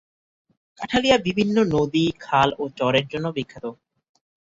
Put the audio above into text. কাঁঠালিয়া বিভিন্ন নদী, খাল ও চরের জন্য বিখ্যাত।